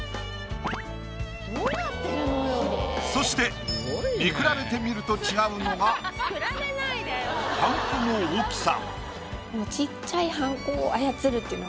そして見比べてみると違うのがはんこの大きさ。